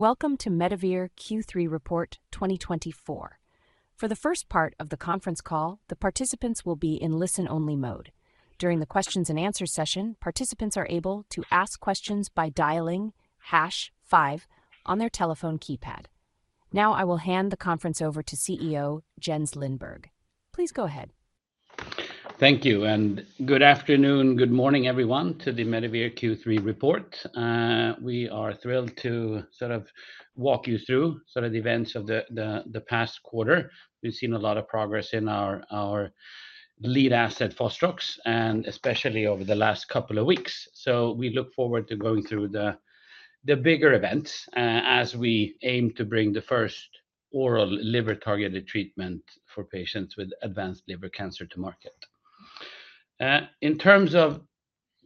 Welcome to Medivir Q3 report 2024. For the first part of the conference call, the participants will be in listen-only mode. During thequestions and answers session, participants are able to ask questions by dialing # five on their telephone keypad. Now, I will hand the conference over to CEO Jens Lindberg. Please go ahead. Thank you, and good afternoon, good morning, everyone, to the Medivir Q3 report. We are thrilled to sort of walk you through sort of the events of the past quarter. We've seen a lot of progress in our lead asset, Fostrox, and especially over the last couple of weeks. So we look forward to going through the bigger events as we aim to bring the first oral liver-targeted treatment for patients with advanced liver cancer to market. In terms of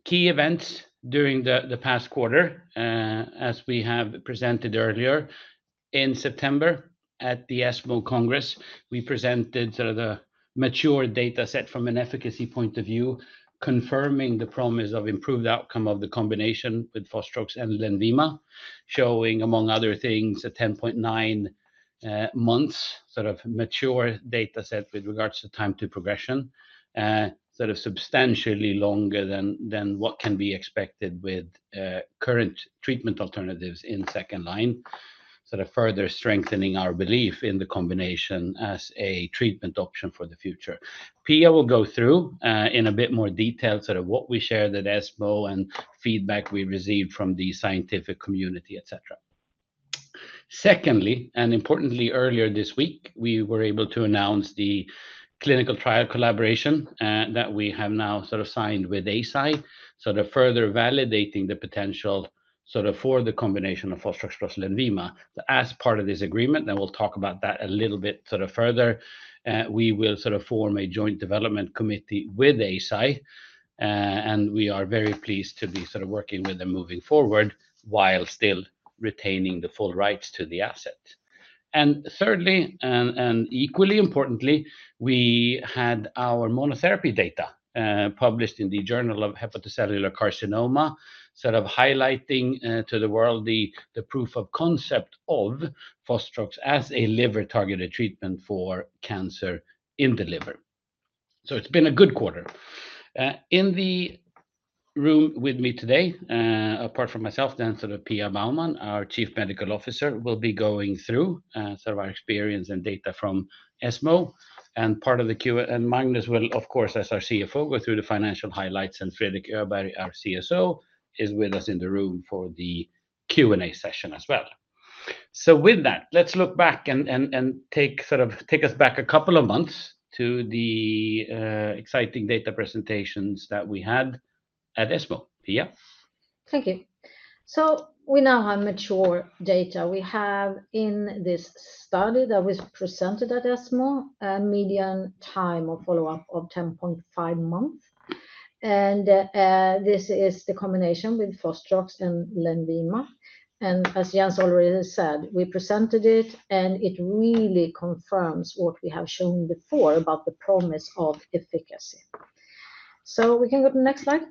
key events during the past quarter, as we have presented earlier, in September at the ESMO Congress, we presented sort of the mature data set from an efficacy point of view, confirming the promise of improved outcome of the combination with Fostrox and Lenvima, showing, among other things, a 10.9-month sort of mature data set with regards to time to progression, sort of substantially longer than what can be expected with current treatment alternatives in second line, sort of further strengthening our belief in the combination as a treatment option for the future. Pia will go through in a bit more detail sort of what we shared at ESMO and feedback we received from the scientific community, etc. Secondly, and importantly, earlier this week, we were able to announce the clinical trial collaboration that we have now sort of signed with Eisai, sort of further validating the potential sort of for the combination of Fostrox plus Lenvima. As part of this agreement, and we'll talk about that a little bit sort of further, we will sort of form a joint development committee with Eisai, and we are very pleased to be sort of working with them moving forward while still retaining the full rights to the asset. And thirdly, and equally importantly, we had our monotherapy data published in the Journal of Hepatocellular Carcinoma, sort of highlighting to the world the proof of concept of Fostrox as a liver-targeted treatment for cancer in the liver. So it's been a good quarter. In the room with me today, apart from myself, then sort of Pia Baumann, our Chief Medical Officer, will be going through sort of our experience and data from ESMO, and part of the Q&A, and Magnus will, of course, as our CFO, go through the financial highlights, and Fredrik Öberg, our CSO, is with us in the room for the Q&A session as well, so with that, let's look back and take us back a couple of months to the exciting data presentations that we had at ESMO. Pia? Thank you. So we now have mature data. We have in this study that was presented at ESMO a median time of follow-up of 10.5 months. And this is the combination with Fostrox and Lenvima. And as Jens already said, we presented it, and it really confirms what we have shown before about the promise of efficacy. So we can go to the next slide.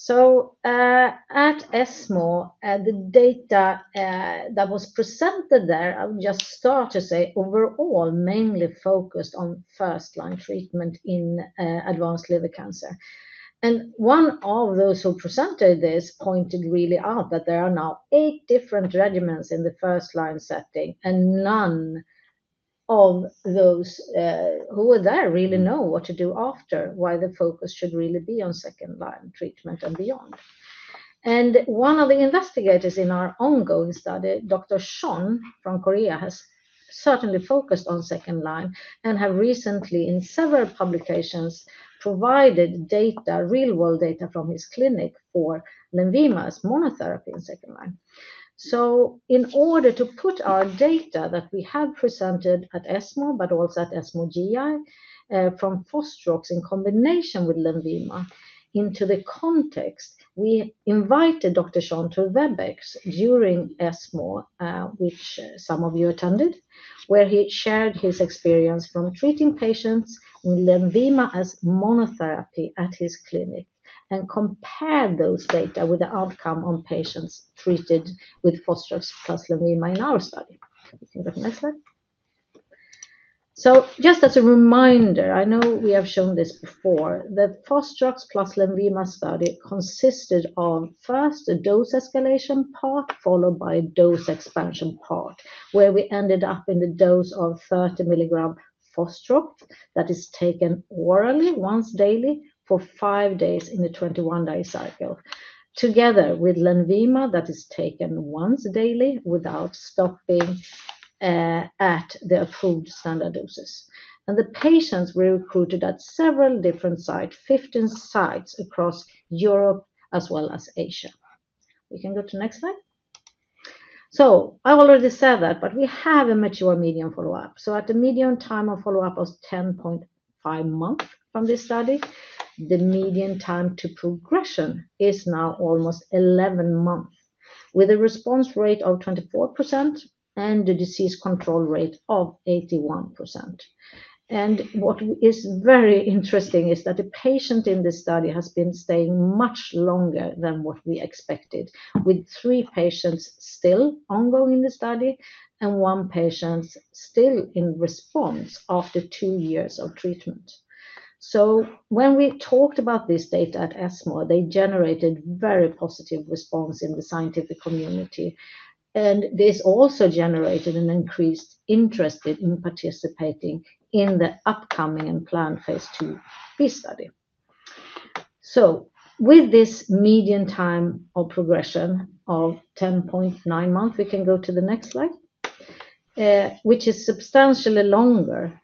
So at ESMO, the data that was presented there, I'll just start to say, overall, mainly focused on first-line treatment in advanced liver cancer. And one of those who presented this pointed really out that there are now eight different regimens in the first-line setting, and none of those who were there really know what to do after, why the focus should really be on second-line treatment and beyond. And one of the investigators in our ongoing study, Dr. Chon from Korea has certainly focused on second line and has recently, in several publications, provided data, real-world data from his clinic for Lenvima as monotherapy in second line. So in order to put our data that we have presented at ESMO, but also at ESMO GI, from Fostrox in combination with Lenvima into the context, we invited Dr. Chon to WebEx during ESMO, which some of you attended, where he shared his experience from treating patients with Lenvima as monotherapy at his clinic and compared those data with the outcome on patients treated with Fostrox plus Lenvima in our study. We can go to the next slide. So just as a reminder, I know we have shown this before, the Fostrox plus Lenvima study consisted of first a dose escalation part followed by a dose expansion part, where we ended up in the dose of 30 milligram Fostrox that is taken orally once daily for five days in the 21-day cycle, together with Lenvima that is taken once daily without stopping at the approved standard doses. And the patients were recruited at several different sites, 15 sites across Europe as well as Asia. We can go to the next slide. So I already said that, but we have a mature median follow-up. So at the median time of follow-up of 10.5 months from this study, the median time to progression is now almost 11 months, with a response rate of 24% and a disease control rate of 81%. What is very interesting is that the patient in this study has been staying much longer than what we expected, with three patients still ongoing in the study and one patient still in response after two years of treatment. When we talked about this data at ESMO, they generated very positive responses in the scientific community. This also generated an increased interest in participating in the upcoming and planned phase 2b study. With this median time of progression of 10.9 months, we can go to the next slide, which is substantially longer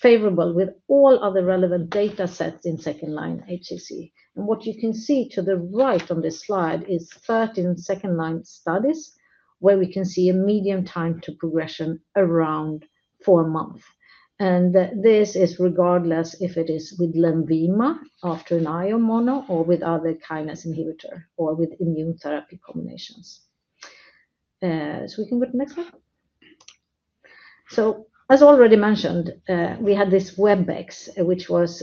if compared favorably with all other relevant data sets in second line HCC. What you can see to the right on this slide is 13 second line studies, where we can see a median time to progression around four months. This is regardless if it is with Lenvima after an IO mono or with other kinase inhibitor or with immune therapy combinations. We can go to the next slide. As already mentioned, we had this WebEx, which was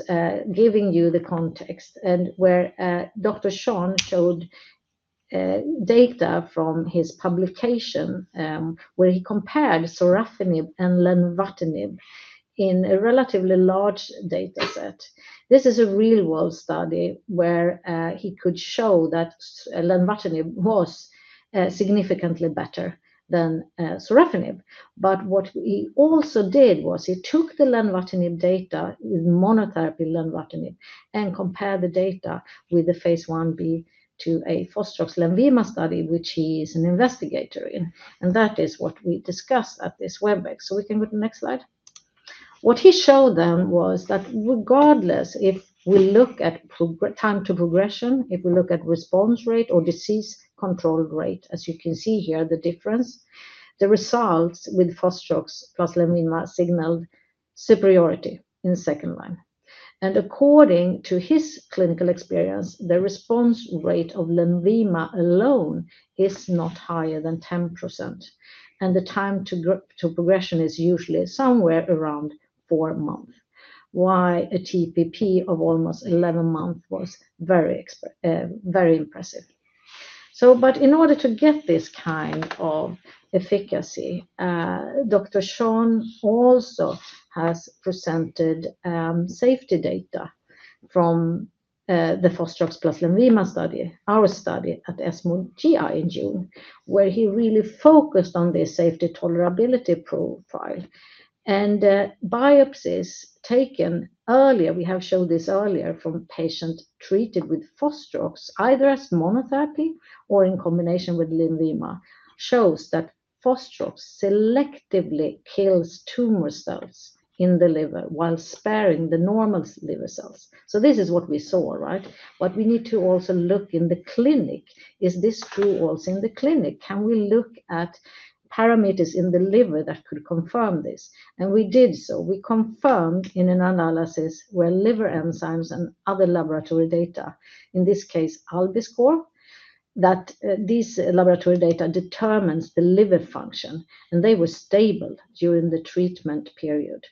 giving you the context, and where Dr. Chon showed data from his publication where he compared sorafenib and lenvatinib in a relatively large data set. This is a real-world study where he could show that lenvatinib was significantly better than sorafenib. What he also did was he took the lenvatinib data with monotherapy lenvatinib and compared the data with the phase 1b/2a Fostrox Lenvima study, which he is an investigator in. That is what we discussed at this WebEx. We can go to the next slide. What he showed them was that regardless if we look at time to progression, if we look at response rate or disease control rate, as you can see here, the difference, the results with Fostrox plus Lenvima signaled superiority in second line. According to his clinical experience, the response rate of Lenvima alone is not higher than 10%. The time to progression is usually somewhere around four months, while a TTP of almost 11 months was very impressive. But in order to get this kind of efficacy, Dr. Chon also has presented safety data from the Fostrox plus Lenvima study, our study at ESMO GI in June, where he really focused on the safety tolerability profile. Biopsies taken earlier, we have showed this earlier from patients treated with Fostrox, either as monotherapy or in combination with Lenvima, shows that Fostrox selectively kills tumor cells in the liver while sparing the normal liver cells. This is what we saw, right? We need to also look in the clinic, is this true also in the clinic? Can we look at parameters in the liver that could confirm this? We did so. We confirmed in an analysis where liver enzymes and other laboratory data, in this case, ALBI score, that this laboratory data determines the liver function, and they were stable during the treatment period,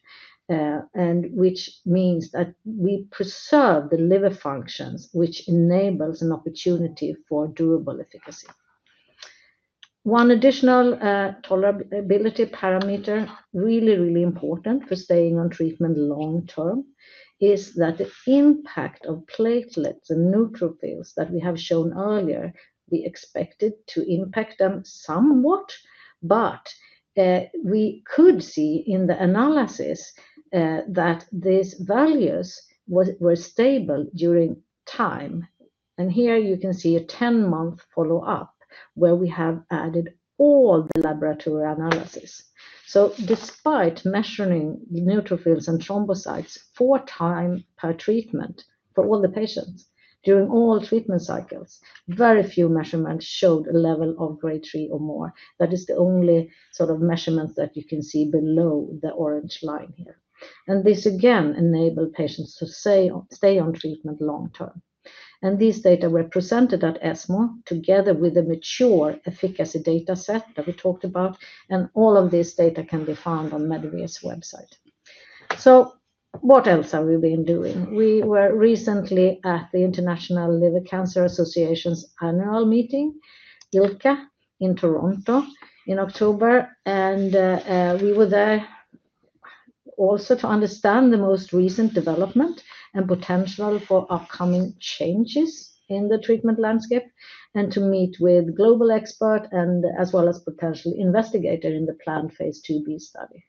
which means that we preserve the liver functions, which enables an opportunity for durable efficacy. One additional tolerability parameter, really, really important for staying on treatment long term, is that the impact of platelets and neutrophils that we have shown earlier, we expected to impact them somewhat, but we could see in the analysis that these values were stable during time. And here you can see a 10-month follow-up where we have added all the laboratory analysis. So despite measuring neutrophils and thrombocytes four times per treatment for all the patients during all treatment cycles, very few measurements showed a level of grade three or more. That is the only sort of measurements that you can see below the orange line here. And this again enabled patients to stay on treatment long term. And these data were presented at ESMO together with a mature efficacy data set that we talked about. And all of this data can be found on Medivir's website. So what else are we doing? We were recently at the International Liver Cancer Association's annual meeting, ILCA in Toronto in October. And we were there also to understand the most recent development and potential for upcoming changes in the treatment landscape and to meet with global experts and as well as potential investigators in the planned phase 2b study.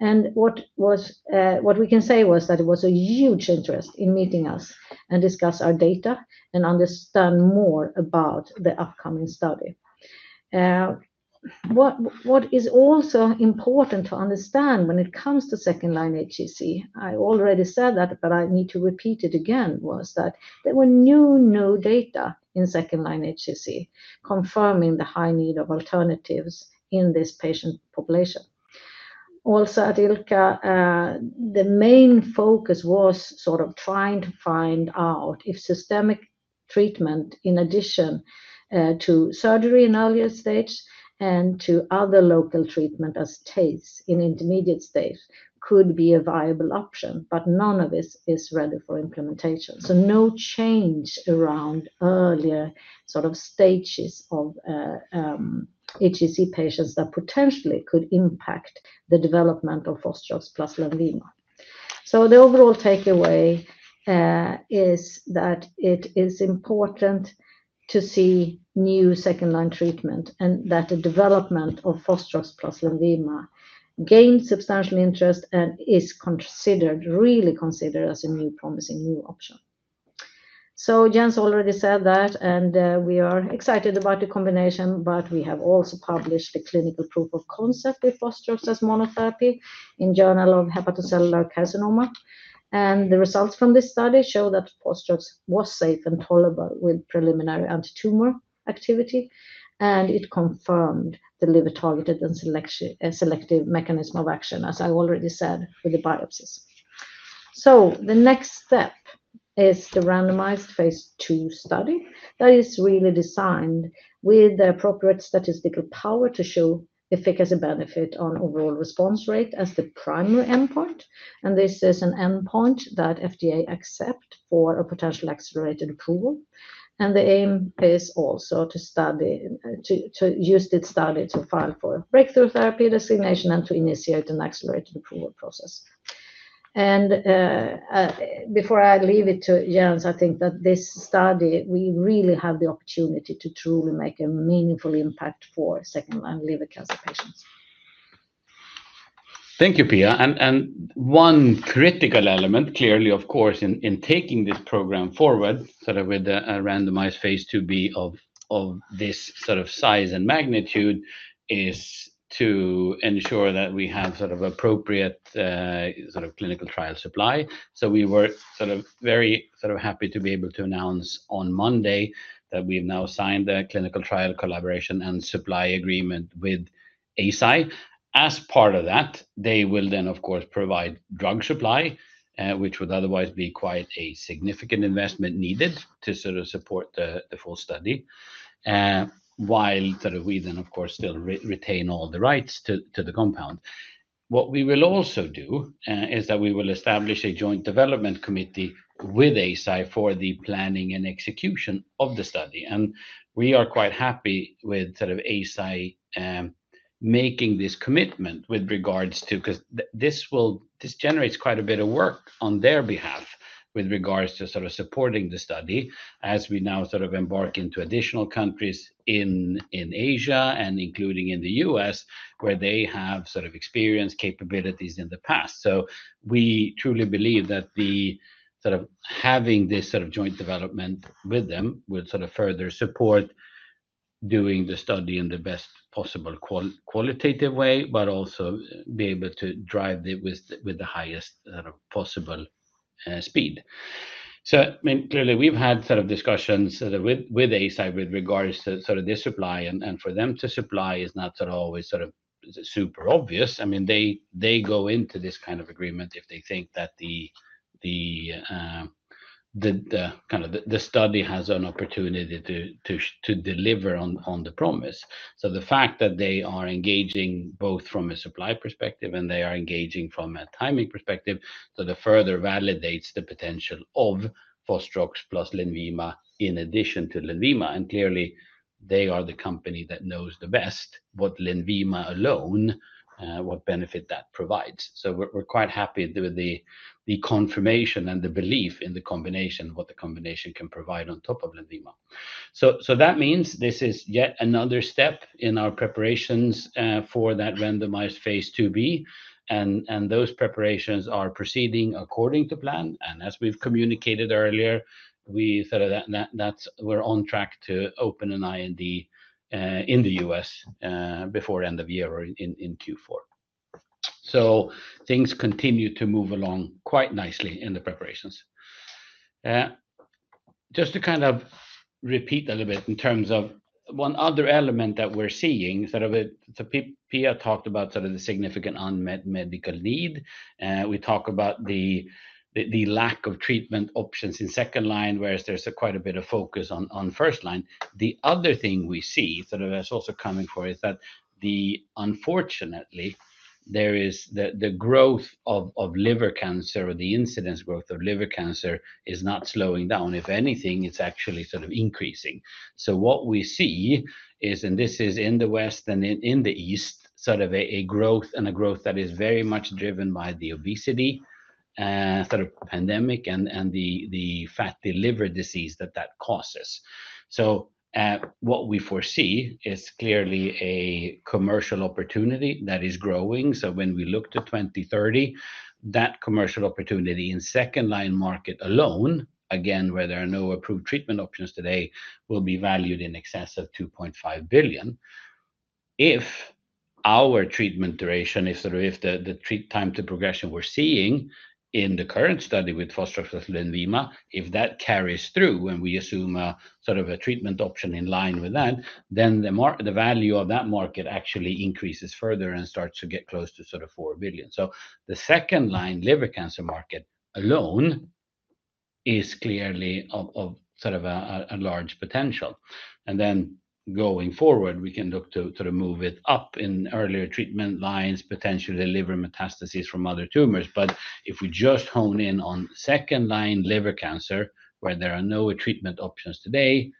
And what we can say was that it was a huge interest in meeting us and discussing our data and understanding more about the upcoming study. What is also important to understand when it comes to second line HCC, I already said that, but I need to repeat it again, was that there were new data in second line HCC confirming the high need of alternatives in this patient population. Also at ILCA, the main focus was sort of trying to find out if systemic treatment in addition to surgery in earlier stage and to other local treatment as TACE in intermediate stage could be a viable option, but none of this is ready for implementation. So no change around earlier sort of stages of HCC patients that potentially could impact the development of Fostrox plus Lenvima. So the overall takeaway is that it is important to see new second line treatment and that the development of Fostrox plus Lenvima gains substantial interest and is considered, really considered as a new promising new option. So Jens already said that, and we are excited about the combination, but we have also published the clinical proof of concept with Fostrox as monotherapy in the Journal of Hepatocellular Carcinoma. The results from this study show that Fostrox was safe and tolerable with preliminary anti-tumor activity, and it confirmed the liver-targeted and selective mechanism of action, as I already said, with the biopsies. The next step is the randomized phase two study that is really designed with the appropriate statistical power to show efficacy benefit on overall response rate as the primary endpoint. This is an endpoint that FDA accepts for a potential accelerated approval. The aim is also to use this study to file for breakthrough therapy designation and to initiate an accelerated approval process. Before I leave it to Jens, I think that this study, we really have the opportunity to truly make a meaningful impact for second-line liver cancer patients. Thank you, Pia. One critical element, clearly, of course, in taking this program forward, sort of with a randomized phase 2b of this sort of size and magnitude, is to ensure that we have sort of appropriate clinical trial supply. So we were sort of very happy to be able to announce on Monday that we've now signed the clinical trial collaboration and supply agreement with Eisai. As part of that, they will then, of course, provide drug supply, which would otherwise be quite a significant investment needed to sort of support the full study, while we then, of course, still retain all the rights to the compound. What we will also do is that we will establish a joint development committee with Eisai for the planning and execution of the study. We are quite happy with sort of Eisai making this commitment with regards to, because this generates quite a bit of work on their behalf with regards to sort of supporting the study as we now sort of embark into additional countries in Asia and including in the U.S., where they have sort of experienced capabilities in the past. We truly believe that the sort of having this sort of joint development with them would sort of further support doing the study in the best possible qualitative way, but also be able to drive it with the highest sort of possible speed. I mean, clearly, we've had sort of discussions with Eisai with regards to sort of this supply, and for them to supply is not sort of always sort of super obvious. I mean, they go into this kind of agreement if they think that the kind of study has an opportunity to deliver on the promise. So the fact that they are engaging both from a supply perspective and they are engaging from a timing perspective, so that further validates the potential of Fostrox plus Lenvima in addition to Lenvima. And clearly, they are the company that knows the best what Lenvima alone, what benefit that provides. So we're quite happy with the confirmation and the belief in the combination, what the combination can provide on top of Lenvima. So that means this is yet another step in our preparations for that randomized phase 2b. And those preparations are proceeding according to plan. And as we've communicated earlier, we're on track to open an IND in the U.S. before end of year or in Q4. So things continue to move along quite nicely in the preparations. Just to kind of repeat a little bit in terms of one other element that we're seeing, sort of Pia talked about sort of the significant unmet medical need. We talk about the lack of treatment options in second line, whereas there's quite a bit of focus on first line. The other thing we see sort of that's also coming forward is that, unfortunately, there is the growth of liver cancer or the incidence growth of liver cancer is not slowing down. If anything, it's actually sort of increasing. So what we see is, and this is in the West and in the East, sort of a growth and a growth that is very much driven by the obesity sort of pandemic and the fatty liver disease that that causes. So what we foresee is clearly a commercial opportunity that is growing. When we look to 2030, that commercial opportunity in second line market alone, again, where there are no approved treatment options today, will be valued in excess of $2.5 billion. If our treatment duration is sort of the time to progression we're seeing in the current study with Fostrox plus Lenvima, if that carries through and we assume sort of a treatment option in line with that, then the value of that market actually increases further and starts to get close to sort of $4 billion. The second line liver cancer market alone is clearly of sort of a large potential, and then going forward, we can look to sort of move it up in earlier treatment lines, potentially deliver metastases from other tumors. But if we just hone in on second-line liver cancer, where there are no treatment options today,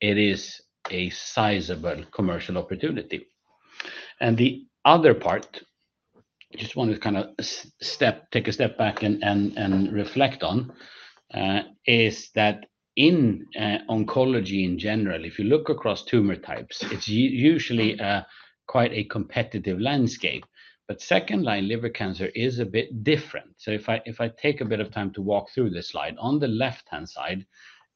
it is a sizable commercial opportunity. And the other part, I just want to kind of take a step back and reflect on, is that in oncology in general, if you look across tumor types, it's usually quite a competitive landscape. But second-line liver cancer is a bit different. So if I take a bit of time to walk through this slide, on the left-hand side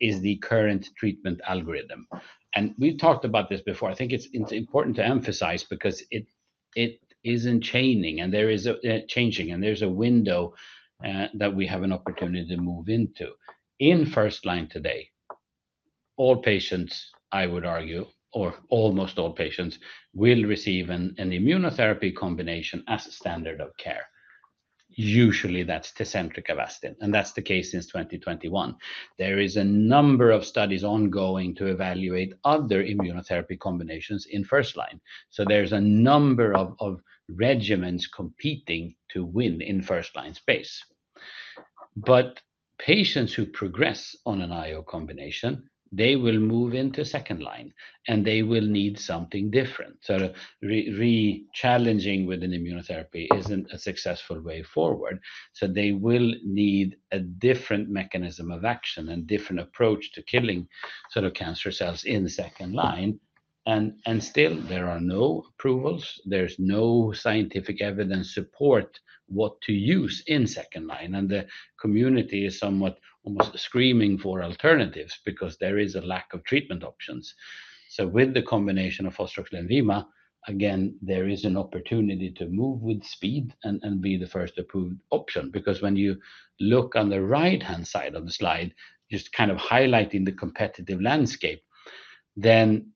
is the current treatment algorithm. And we've talked about this before. I think it's important to emphasize because it is changing and there is a change and there's a window that we have an opportunity to move into. In first line today, all patients, I would argue, or almost all patients will receive an immunotherapy combination as a standard of care. Usually, that's Tecentriq Avastin, and that's the case since 2021. There is a number of studies ongoing to evaluate other immunotherapy combinations in first line, so there's a number of regimens competing to win in first line space, but patients who progress on an IO combination, they will move into second line and they will need something different, so re-challenging with an immunotherapy isn't a successful way forward, so they will need a different mechanism of action and different approach to killing sort of cancer cells in second line, and still, there are no approvals. There's no scientific evidence support what to use in second line, and the community is somewhat almost screaming for alternatives because there is a lack of treatment options, so with the combination of Fostrox Lenvima, again, there is an opportunity to move with speed and be the first approved option. Because when you look on the right-hand side of the slide, just kind of highlighting the competitive landscape, then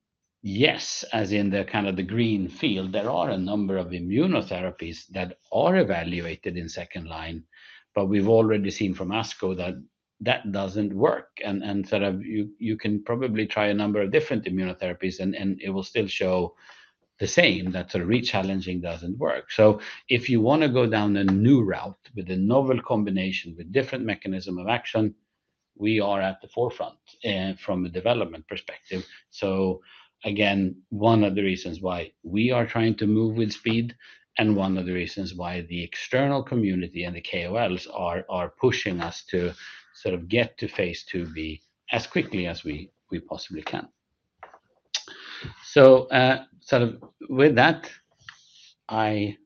yes, as in the kind of the green field, there are a number of immunotherapies that are evaluated in second-line, but we've already seen from ASCO that that doesn't work, and sort of you can probably try a number of different immunotherapies and it will still show the same that sort of re-challenging doesn't work, so if you want to go down a new route with a novel combination with different mechanism of action, we are at the forefront from a development perspective, so again, one of the reasons why we are trying to move with speed and one of the reasons why the external community and the KOLs are pushing us to sort of get to phase 2b as quickly as we possibly can. So, sort of with that, I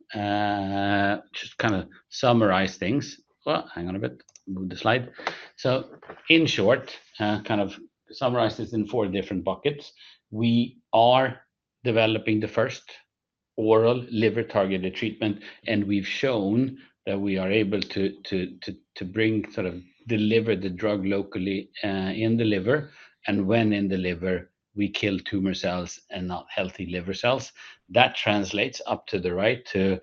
just kind of summarize things. Well, hang on a bit, move the slide. So, in short, kind of summarize this in four different buckets. We are developing the first oral liver-targeted treatment, and we've shown that we are able to bring sort of deliver the drug locally in the liver. And, when in the liver, we kill tumor cells and not healthy liver cells. That translates up to the right to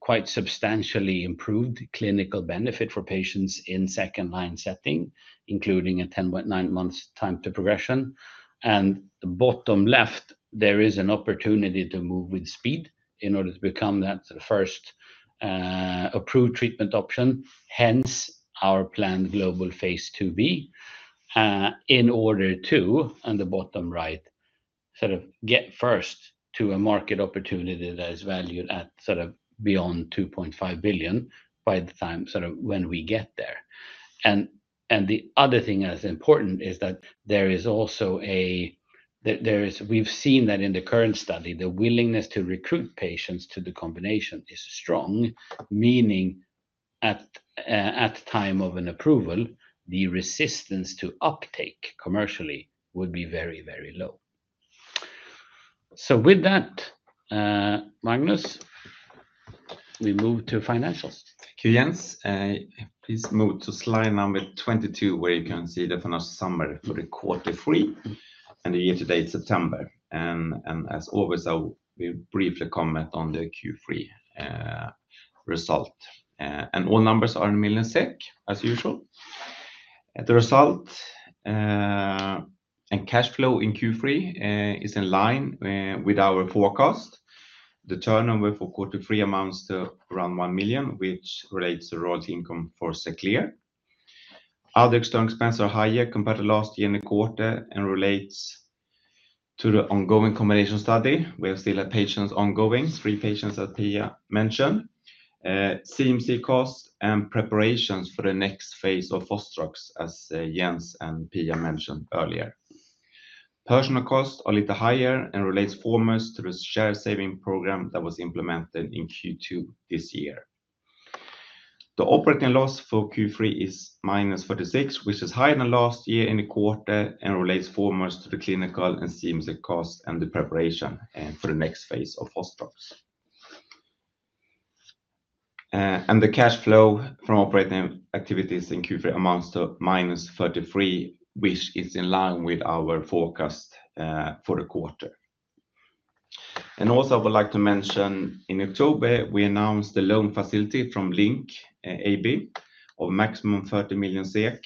quite substantially improved clinical benefit for patients in second-line setting, including a 10-month time to progression. And bottom left, there is an opportunity to move with speed in order to become that sort of first approved treatment option. Hence, our planned global phase 2b in order to, on the bottom right, sort of get first to a market opportunity that is valued at sort of beyond $2.5 billion by the time sort of when we get there. The other thing that's important is that we've seen that in the current study, the willingness to recruit patients to the combination is strong, meaning at time of an approval, the resistance to uptake commercially would be very, very low. With that, Magnus, we move to financials. Thank you, Jens. Please move to slide number 22, where you can see the financial summary for the quarter three and the year-to-date September. As always, I will briefly comment on the Q3 result. All numbers are in million SEK as usual. The result and cash flow in Q3 is in line with our forecast. The turnover for quarter three amounts to around 1 million, which relates to royalty income for the year. Other external expenses are higher compared to last year in the quarter and relates to the ongoing combination study. We'll still have patients ongoing, three patients as Pia mentioned. CMC costs and preparations for the next phase of Fostrox, as Jens and Pia mentioned earlier. Personnel costs are a little higher and relates foremost to the share saving program that was implemented in Q2 this year. The operating loss for Q3 is -46 million, which is higher than last year in the quarter and relates foremost to the clinical and CMC costs and the preparation for the next phase of Fostrox, and the cash flow from operating activities in Q3 amounts to -33 million, which is in line with our forecast for the quarter. Also, I would like to mention in October, we announced the loan facility from Linc AB of maximum 30 million SEK.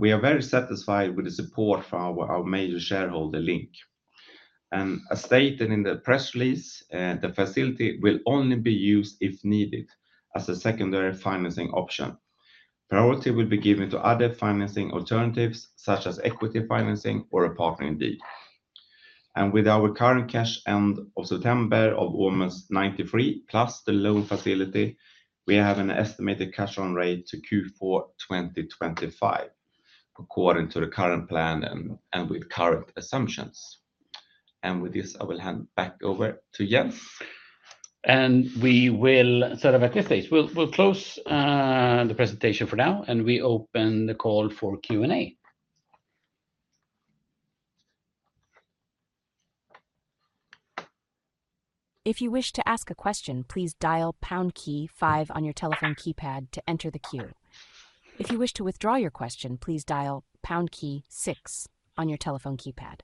We are very satisfied with the support from our major shareholder, Linc. As stated in the press release, the facility will only be used if needed as a secondary financing option. Priority will be given to other financing alternatives such as equity financing or partnering, indeed. With our current cash end of September of almost 93 plus the loan facility, we have an estimated cash runway to Q4 2025 according to the current plan and with current assumptions. With this, I will hand back over to Jens. We will sort of at this stage, we'll close the presentation for now and we open the call for Q&A. If you wish to ask a question, please dial pound key five on your telephone keypad to enter the queue. If you wish to withdraw your question, please dial pound key six on your telephone keypad.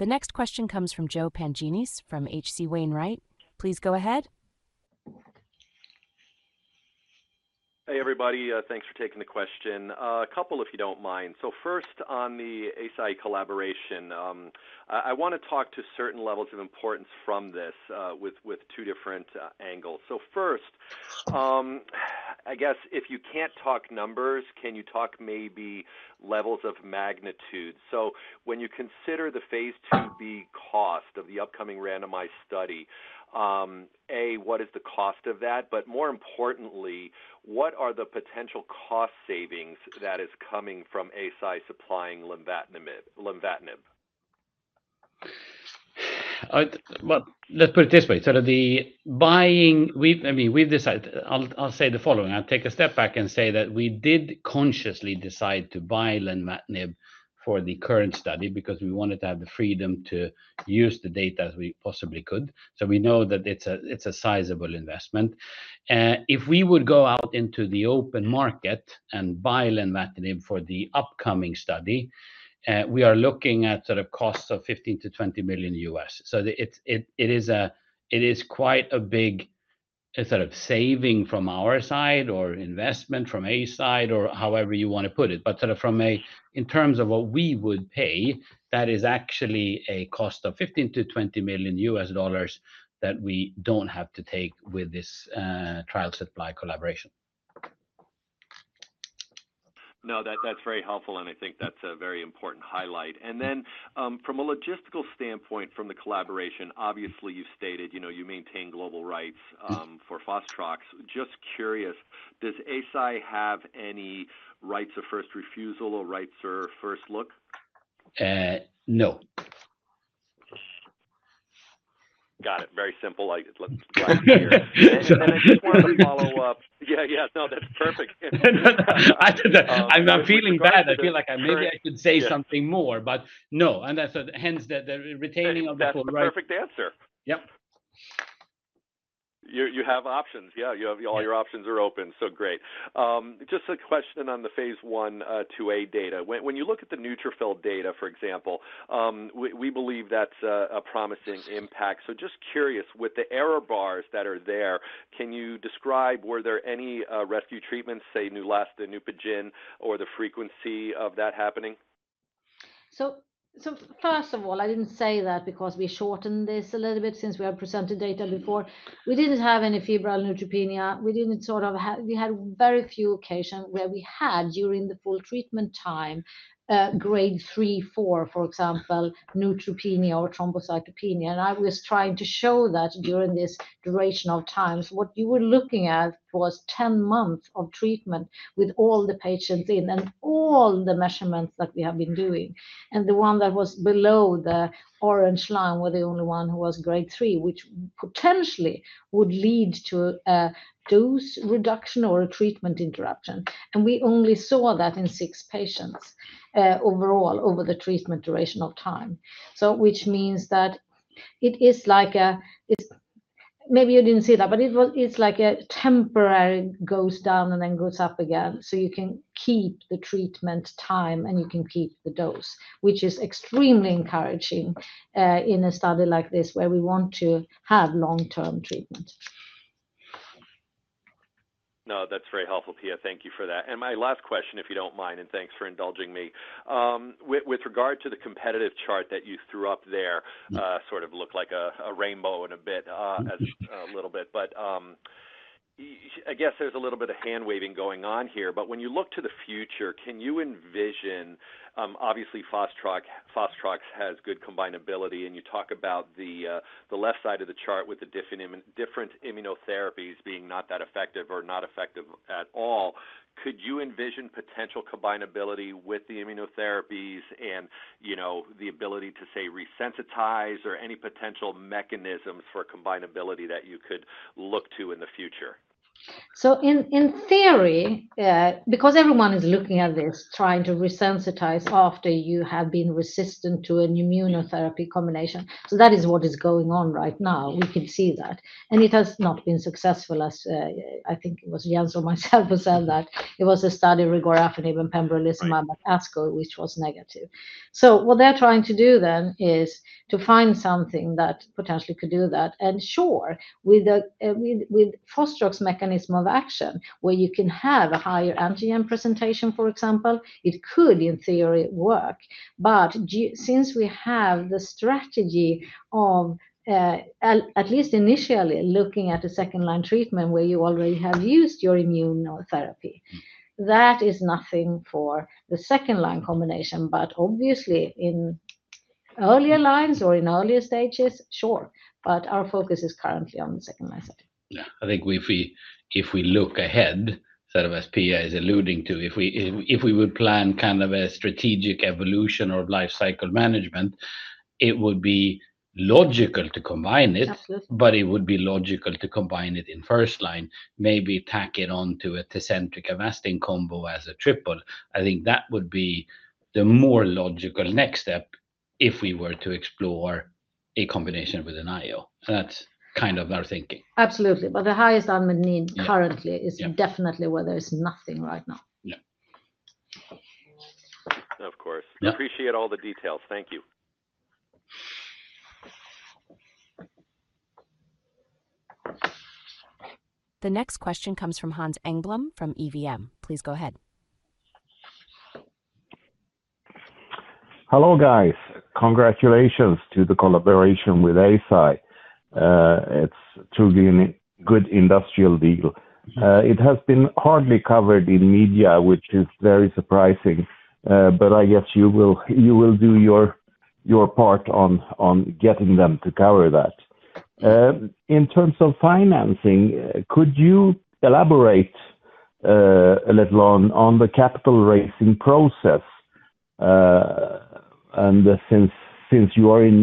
The next question comes from Joe Pantginis from H.C. Wainwright. Please go ahead. Hey, everybody. Thanks for taking the question. A couple, if you don't mind. So first, on the Eisai collaboration, I want to talk to certain levels of importance from this with two different angles. So first, I guess if you can't talk numbers, can you talk maybe levels of magnitude? So when you consider the phase 2b cost of the upcoming randomized study, A, what is the cost of that? But more importantly, what are the potential cost savings that is coming from Eisai supplying lenvatinib? Let's put it this way. Sort of the buying, I mean, we've decided. I'll say the following. I'll take a step back and say that we did consciously decide to buy lenvatinib for the current study because we wanted to have the freedom to use the data as we possibly could. So we know that it's a sizable investment. If we would go out into the open market and buy lenvatinib for the upcoming study, we are looking at sort of costs of $15 million-$20 million. So it is quite a big sort of saving from our side or investment from Eisai or however you want to put it. But sort of from a, in terms of what we would pay, that is actually a cost of $15 million-$20 million that we don't have to take with this trial supply collaboration. No, that's very helpful. And I think that's a very important highlight. And then from a logistical standpoint from the collaboration, obviously you've stated you maintain global rights for Fostrox. Just curious, does Eisai have any rights of first refusal or rights or first look? No. Got it. Very simple. Let's grab it here. And I just want to follow up. Yeah, yeah. No, that's perfect. I'm feeling bad. I feel like maybe I should say something more, but no, and that's hence the retaining of the full rights. That's a perfect answer. Yep. You have options. Yeah. All your options are open. So great. Just a question on the phase 1/2a data. When you look at the neutrophil data, for example, we believe that's a promising impact. So just curious, with the error bars that are there, can you describe were there any rescue treatments, say Neulasta, Neupogen, or the frequency of that happening? So first of all, I didn't say that because we shortened this a little bit since we had presented data before. We didn't have any febrile neutropenia. We didn't sort of have. We had very few occasions where we had, during the full treatment time, grade three, four, for example, neutropenia or thrombocytopenia. And I was trying to show that during this duration of times, what you were looking at was 10 months of treatment with all the patients in and all the measurements that we have been doing. And the one that was below the orange line were the only one who was grade three, which potentially would lead to a dose reduction or a treatment interruption. We only saw that in six patients overall over the treatment duration of time, which means that it is like a maybe you didn't see that, but it's like a temporary goes down and then goes up again. You can keep the treatment time and you can keep the dose, which is extremely encouraging in a study like this where we want to have long-term treatment. No, that's very helpful, Pia. Thank you for that. My last question, if you don't mind, and thanks for indulging me. With regard to the competitive chart that you threw up there, sort of looked like a rainbow in a bit, a little bit. I guess there's a little bit of hand waving going on here. When you look to the future, can you envision? Obviously Fostrox has good combinability, and you talk about the left side of the chart with the different immunotherapies being not that effective or not effective at all. Could you envision potential combinability with the immunotherapies and the ability to say resensitize or any potential mechanisms for combinability that you could look to in the future? In theory, because everyone is looking at this trying to resensitize after you have been resistant to an immunotherapy combination, that is what is going on right now. We can see that, and it has not been successful as I think it was Jens or myself who said that. It was a study regarding sorafenib and pembrolizumab at ASCO, which was negative, so what they're trying to do then is to find something that potentially could do that. And sure, with Fostrox mechanism of action, where you can have a higher antigen presentation, for example, it could in theory work. But since we have the strategy of at least initially looking at the second line treatment where you already have used your immunotherapy, that is nothing for the second line combination. But obviously in earlier lines or in earlier stages, sure. But our focus is currently on the second line study. Yeah. I think if we look ahead, sort of as Pia is alluding to, if we would plan kind of a strategic evolution or life cycle management, it would be logical to combine it. Absolutely. But it would be logical to combine it in first line, maybe tack it on to a Tecentriq Avastin combo as a triple. I think that would be the more logical next step if we were to explore a combination with an IO. That's kind of our thinking. Absolutely, but the highest unmet need currently is definitely where there is nothing right now. Yeah. Of course. Appreciate all the details. Thank you. The next question comes from Hans Engblom from EVM. Please go ahead. Hello guys. Congratulations to the collaboration with Eisai. It's truly a good industrial deal. It has been hardly covered in media, which is very surprising. But I guess you will do your part on getting them to cover that. In terms of financing, could you elaborate a little on the capital raising process and since you are in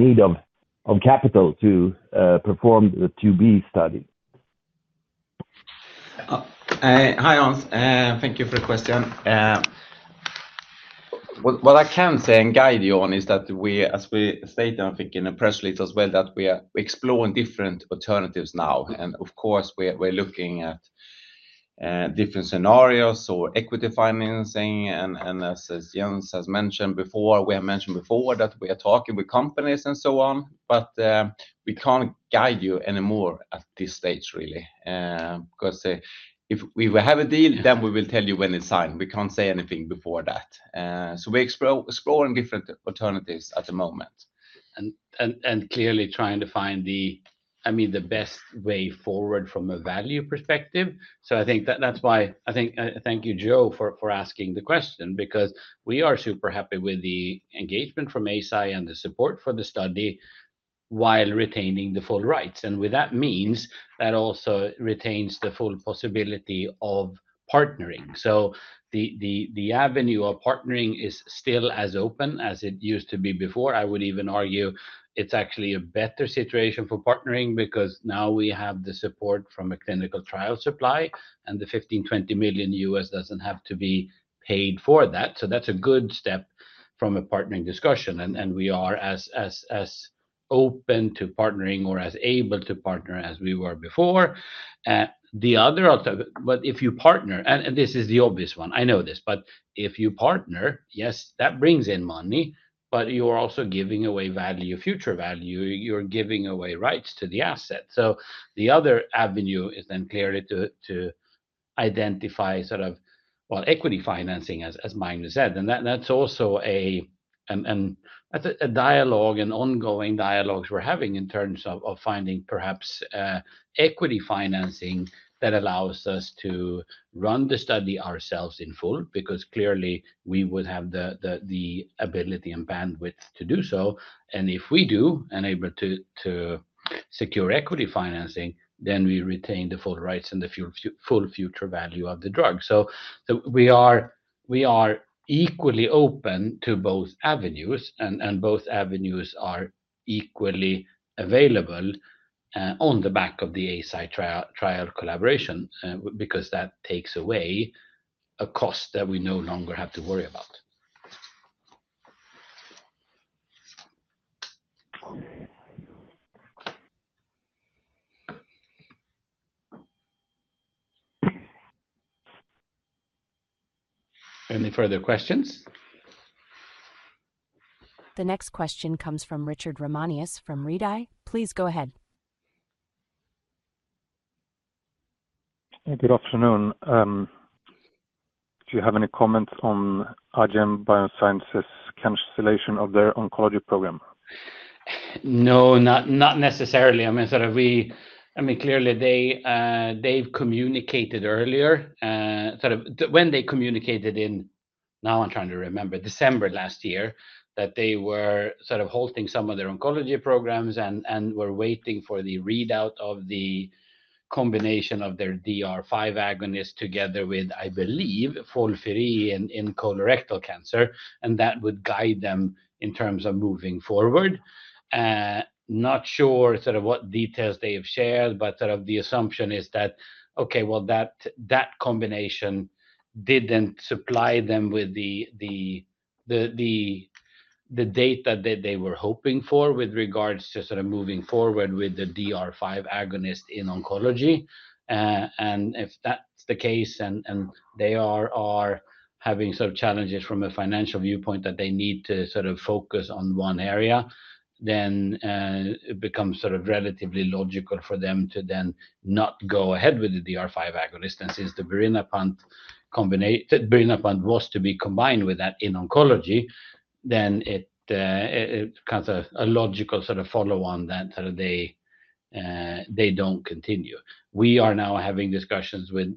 need of capital to perform the 2b study? Hi, Hans. Thank you for the question. What I can say and guide you on is that we, as we stated, I think in the press release as well, that we are exploring different alternatives now, and of course, we're looking at different scenarios or equity financing. And as Jens has mentioned before, we have mentioned before that we are talking with companies and so on, but we can't guide you anymore at this stage really. Because if we have a deal, then we will tell you when it's signed. We can't say anything before that, so we're exploring different alternatives at the moment. And clearly trying to find the, I mean, the best way forward from a value perspective. I think that's why. Thank you, Joe, for asking the question because we are super happy with the engagement from Eisai and the support for the study while retaining the full rights. And with that means that also retains the full possibility of partnering. The avenue of partnering is still as open as it used to be before. I would even argue it's actually a better situation for partnering because now we have the support from a clinical trial supply and the $15 million-20 million doesn't have to be paid for that. That's a good step from a partnering discussion. And we are as open to partnering or as able to partner as we were before. But if you partner, and this is the obvious one, I know this, but if you partner, yes, that brings in money, but you are also giving away value, future value. You're giving away rights to the asset. So the other avenue is then clearly to identify sort of, well, equity financing as Magnus said. And that's also a dialogue and ongoing dialogues we're having in terms of finding perhaps equity financing that allows us to run the study ourselves in full because clearly we would have the ability and bandwidth to do so. And if we do and able to secure equity financing, then we retain the full rights and the full future value of the drug. So we are equally open to both avenues and both avenues are equally available on the back of the Eisai trial collaboration because that takes away a cost that we no longer have to worry about. Any further questions? The next question comes from Richard Ramanius from Redeye. Please go ahead. Good afternoon. Do you have any comments on IGM Biosciences' cancellation of their oncology program? No, not necessarily. I mean, sort of we, I mean, clearly they've communicated earlier, sort of when they communicated in, now I'm trying to remember, December last year that they were sort of holding some of their oncology programs and were waiting for the readout of the combination of their DR5 agonist together with, I believe, FOLFIRI in colorectal cancer. And that would guide them in terms of moving forward. Not sure sort of what details they have shared, but sort of the assumption is that, okay, well, that combination didn't supply them with the data that they were hoping for with regards to sort of moving forward with the DR5 agonist in oncology. And if that's the case and they are having sort of challenges from a financial viewpoint that they need to sort of focus on one area, then it becomes sort of relatively logical for them to then not go ahead with the DR5 agonist. And since the birinapant was to be combined with that in oncology, then it becomes a logical sort of follow-on that they don't continue. We are now having discussions with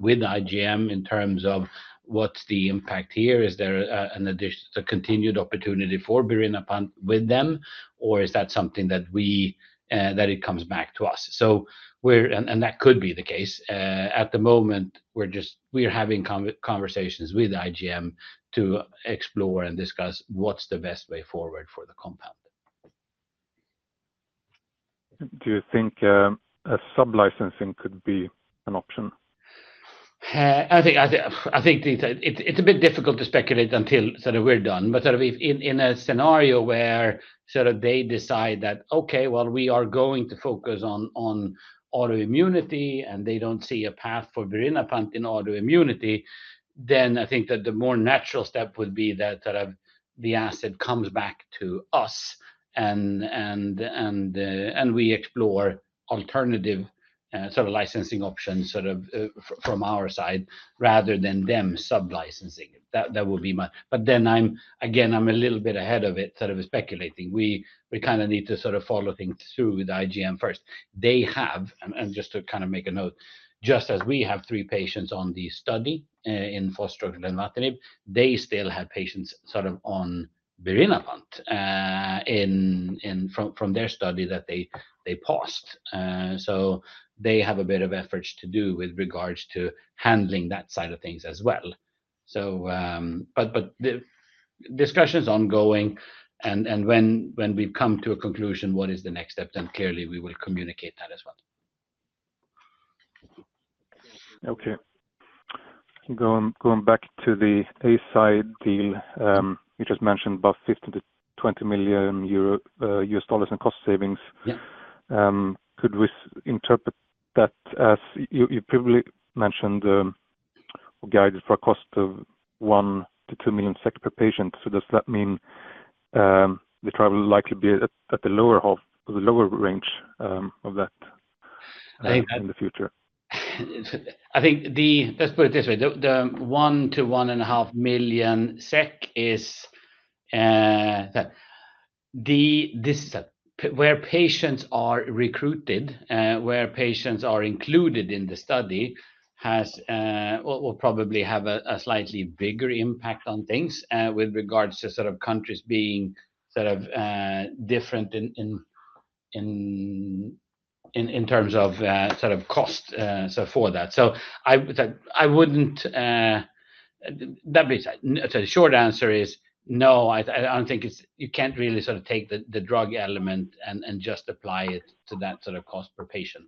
IGM in terms of what's the impact here. Is there an additional continued opportunity for birinapant with them, or is that something that it comes back to us? And that could be the case. At the moment, we're having conversations with IGM to explore and discuss what's the best way forward for the compound. Do you think a sublicensing could be an option? I think it's a bit difficult to speculate until sort of we're done, but sort of in a scenario where sort of they decide that, okay, well, we are going to focus on autoimmunity and they don't see a path for birinapant in autoimmunity, then I think that the more natural step would be that sort of the asset comes back to us and we explore alternative sort of licensing options sort of from our side rather than them sublicensing. That would be my. But then again, I'm a little bit ahead of it sort of speculating. We kind of need to sort of follow things through with IGM first. They have, and just to kind of make a note, just as we have three patients on the study in Fostrox and Lenvima, they still have patients sort of on birinapant from their study that they paused. So they have a bit of efforts to do with regards to handling that side of things as well. But the discussion is ongoing. And when we've come to a conclusion, what is the next step, then clearly we will communicate that as well. Okay. Going back to the Eisai deal, you just mentioned about $15 million-$20 million in cost savings. Could we interpret that as you mentioned guided for a cost of $1 million-$2 million per patient? So does that mean the trial will likely be at the lower range of that in the future? I think that's put it this way. The 1 million-1.5 million SEK is where patients are recruited, where patients are included in the study will probably have a slightly bigger impact on things with regards to sort of countries being sort of different in terms of sort of cost for that. So, I wouldn't. That means the short answer is no. I don't think you can't really sort of take the drug element and just apply it to that sort of cost per patient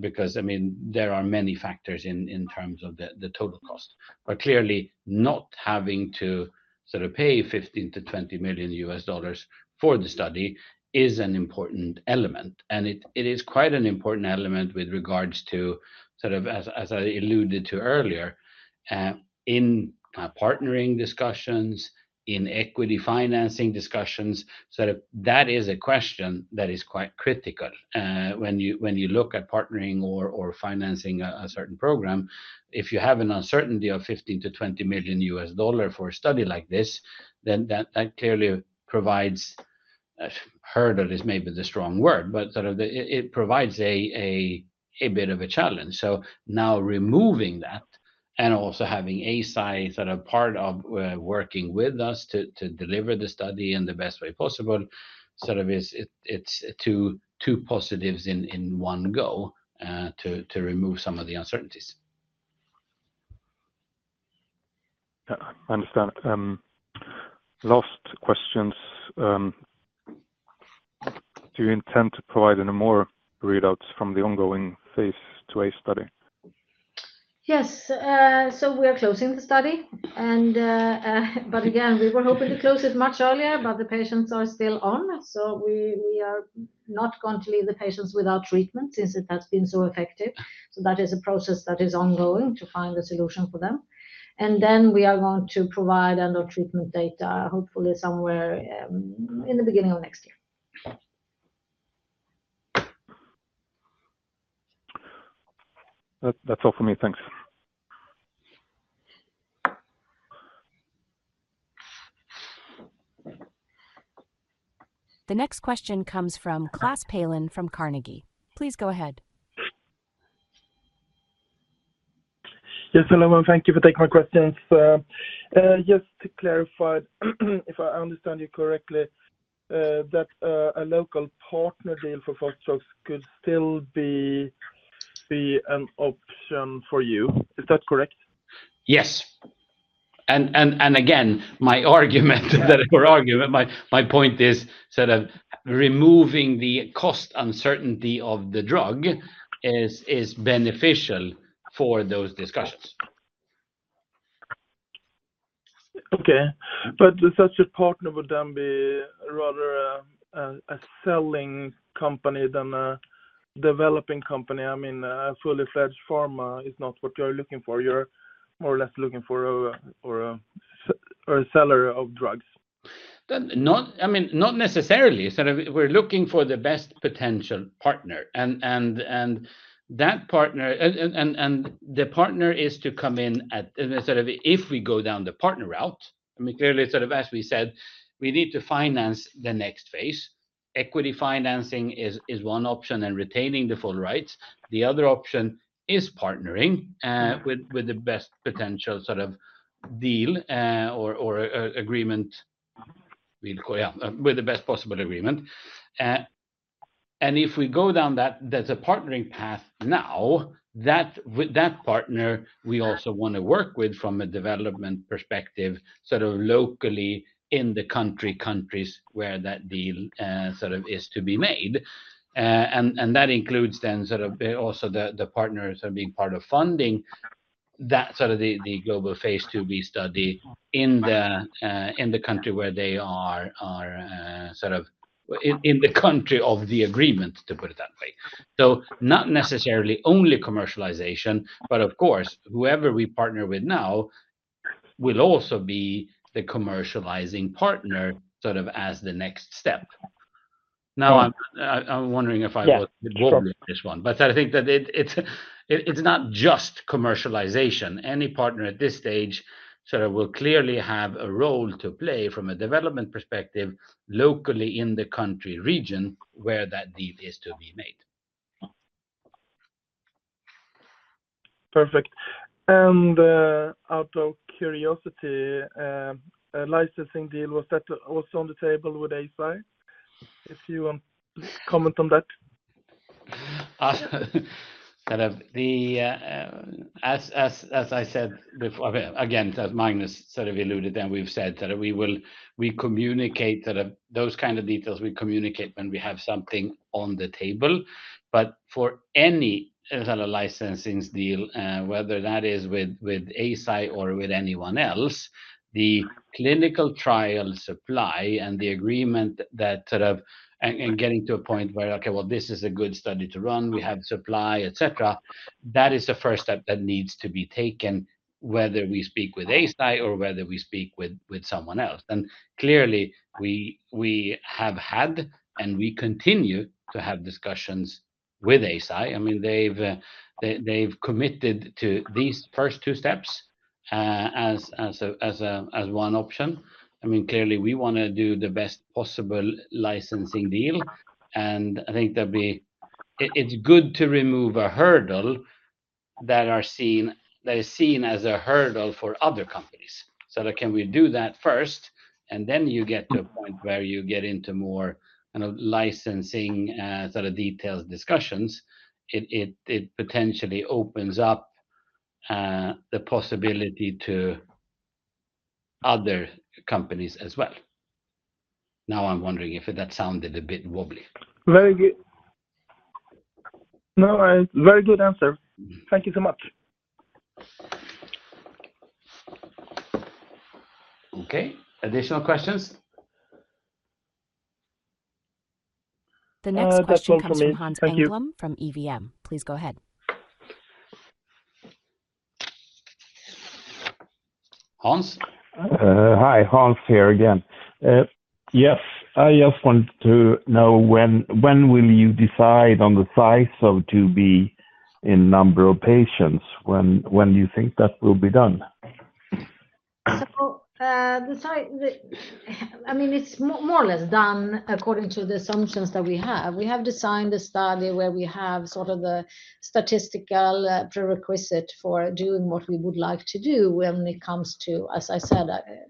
because, I mean, there are many factors in terms of the total cost. But clearly not having to sort of pay $15 million-20 million for the study is an important element. And it is quite an important element with regards to sort of, as I alluded to earlier, in partnering discussions, in equity financing discussions. So that is a question that is quite critical. When you look at partnering or financing a certain program, if you have an uncertainty of $15 million-$20 million for a study like this, then that clearly provides a hurdle, is maybe the strong word, but sort of it provides a bit of a challenge. So now removing that and also having Eisai sort of part of working with us to deliver the study in the best way possible, sort of it's two positives in one go to remove some of the uncertainties. I understand. Last questions. Do you intend to provide any more readouts from the ongoing phase 2a study? Yes, so we are closing the study, but again, we were hoping to close it much earlier, but the patients are still on, so we are not going to leave the patients without treatment since it has been so effective, so that is a process that is ongoing to find a solution for them, and then we are going to provide end-of-treatment data, hopefully somewhere in the beginning of next year. That's all for me. Thanks. The next question comes from Klas Palin from Carnegie. Please go ahead. Yes, hello. Thank you for taking my questions. Just to clarify, if I understand you correctly, that a local partner deal for Fostrox could still be an option for you. Is that correct? Yes. And again, my argument, my point is sort of removing the cost uncertainty of the drug is beneficial for those discussions. Okay. But such a partner would then be rather a selling company than a developing company. I mean, a fully-fledged pharma is not what you're looking for. You're more or less looking for a seller of drugs. I mean, not necessarily. We're looking for the best potential partner. And that partner, and the partner is to come in at sort of if we go down the partner route. I mean, clearly sort of as we said, we need to finance the next phase. Equity financing is one option and retaining the full rights. The other option is partnering with the best potential sort of deal or agreement, with the best possible agreement. And if we go down that, there's a partnering path now that with that partner, we also want to work with from a development perspective sort of locally in the country countries where that deal sort of is to be made. That includes then sort of also the partners being part of funding that sort of the global phase 2b study in the country where they are sort of in the country of the agreement, to put it that way. Not necessarily only commercialization, but of course, whoever we partner with now will also be the commercializing partner sort of as the next step. Now, I'm wondering if I was involved in this one, but I think that it's not just commercialization. Any partner at this stage sort of will clearly have a role to play from a development perspective locally in the country region where that deal is to be made. Perfect. And out of curiosity, a licensing deal was also on the table with Eisai. If you want to comment on that. Sort of the, as I said before, again, Magnus sort of alluded and we've said that we will communicate those kind of details. We communicate when we have something on the table. But for any sort of licensing deal, whether that is with Eisai or with anyone else, the clinical trial supply and the agreement that sort of getting to a point where, okay, well, this is a good study to run, we have supply, etc., that is the first step that needs to be taken whether we speak with Eisai or whether we speak with someone else. And clearly, we have had and we continue to have discussions with Eisai. I mean, they've committed to these first two steps as one option. I mean, clearly, we want to do the best possible licensing deal. I think that it's good to remove a hurdle that is seen as a hurdle for other companies. So can we do that first? Then you get to a point where you get into more licensing sort of detailed discussions. It potentially opens up the possibility to other companies as well. Now I'm wondering if that sounded a bit wobbly. Very good. No, very good answer. Thank you so much. Okay. Additional questions? The next question from Hans Engblom from EVM. Please go ahead. Hans? Hi, Hans here again. Yes. I just want to know when will you decide on the size of to be in number of patients? When do you think that will be done? I mean, it's more or less done according to the assumptions that we have. We have designed a study where we have sort of the statistical prerequisite for doing what we would like to do when it comes to, as I said,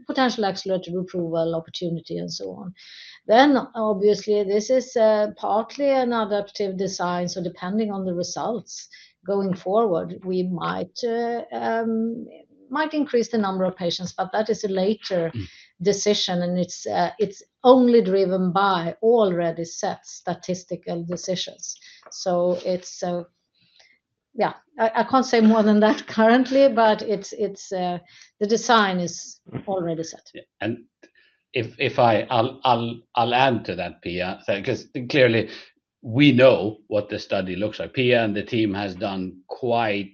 potential accelerated approval opportunity and so on. Then obviously, this is partly an adaptive design. Depending on the results going forward, we might increase the number of patients, but that is a later decision. And it's only driven by already set statistical decisions. Yeah, I can't say more than that currently, but the design is already set. If I'll add to that, Pia, because clearly we know what the study looks like. Pia and the team has done quite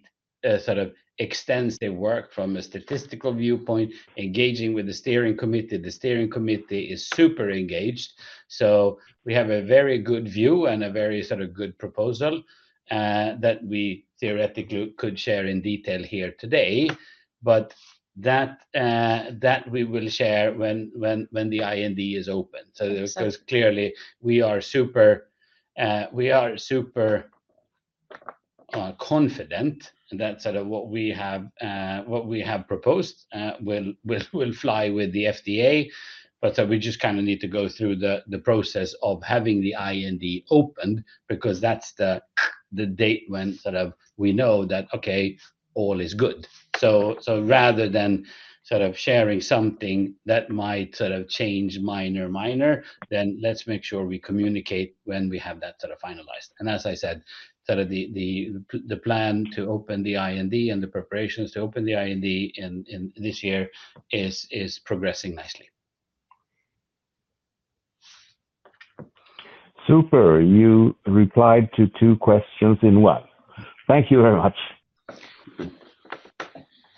sort of extensive work from a statistical viewpoint, engaging with the steering committee. The steering committee is super engaged. So we have a very good view and a very sort of good proposal that we theoretically could share in detail here today, but that we will share when the IND is open. So clearly, we are super confident that sort of what we have proposed will fly with the FDA. But we just kind of need to go through the process of having the IND open because that's the date when sort of we know that, okay, all is good. So rather than sort of sharing something that might sort of change minor minor, then let's make sure we communicate when we have that sort of finalized. And as I said, sort of the plan to open the IND and the preparations to open the IND this year is progressing nicely. Super. You replied to two questions in one. Thank you very much.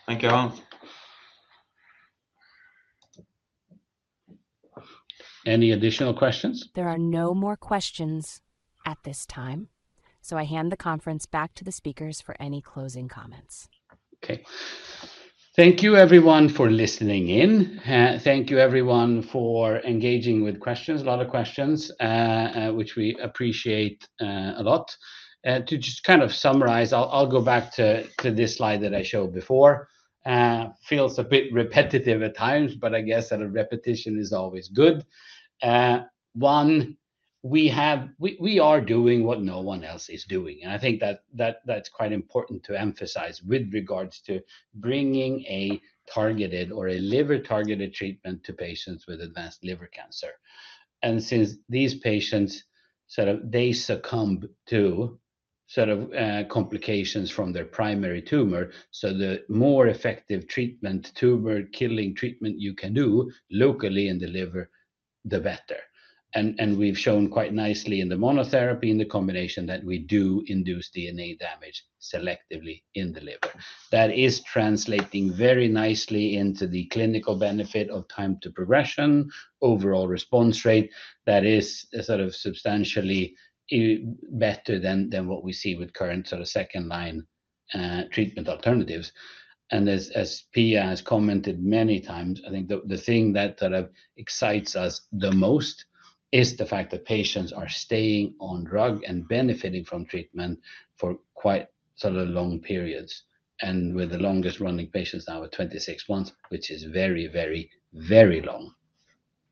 Thank you, Hans. Any additional questions? There are no more questions at this time so I hand the conference back to the speakers for any closing comments. Okay. Thank you, everyone, for listening in. Thank you, everyone, for engaging with questions, a lot of questions, which we appreciate a lot. To just kind of summarize, I'll go back to this slide that I showed before. Feels a bit repetitive at times, but I guess that repetition is always good. One, we are doing what no one else is doing. And I think that's quite important to emphasize with regards to bringing a targeted or a liver-targeted treatment to patients with advanced liver cancer. And since these patients sort of succumb to sort of complications from their primary tumor, so the more effective treatment, tumor-killing treatment you can do locally in the liver, the better. And we've shown quite nicely in the monotherapy, in the combination that we do induce DNA damage selectively in the liver. That is translating very nicely into the clinical benefit of time to progression, overall response rate. That is sort of substantially better than what we see with current sort of second-line treatment alternatives. And as Pia has commented many times, I think the thing that sort of excites us the most is the fact that patients are staying on drug and benefiting from treatment for quite sort of long periods. And with the longest-running patients now at 26 months, which is very, very, very long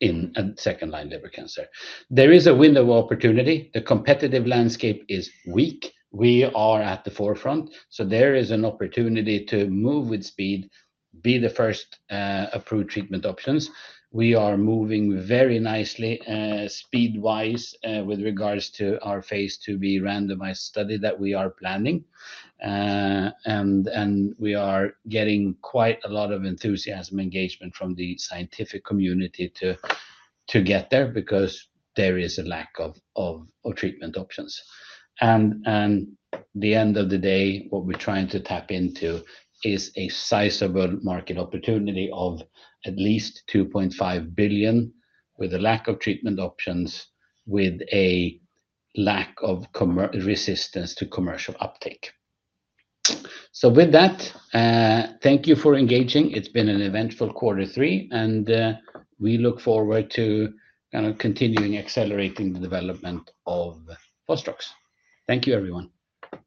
in second-line liver cancer. There is a window of opportunity. The competitive landscape is weak. We are at the forefront. So there is an opportunity to move with speed, be the first approved treatment options. We are moving very nicely speed-wise with regards to our phase 2b randomized study that we are planning. And we are getting quite a lot of enthusiasm engagement from the scientific community to get there because there is a lack of treatment options. And at the end of the day, what we're trying to tap into is a sizable market opportunity of at least 2.5 billion with a lack of treatment options, with a lack of resistance to commercial uptake. So with that, thank you for engaging. It's been an eventful quarter three, and we look forward to kind of continuing accelerating the development of Fostrox. Thank you, everyone.